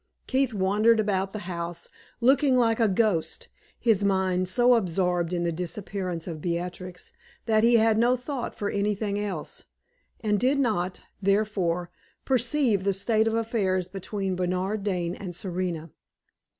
Keith wandered about the house, looking like a ghost, his mind so absorbed in the disappearance of Beatrix that he had no thought for anything else, and did not, therefore, perceive the state of affairs between Bernard Dane and Serena.